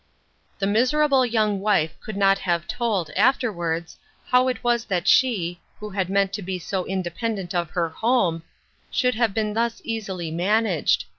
The miserable young wife could not have told, afterwards, how it was that she, who had meant to be so independent of her home, should have been thus easily managed.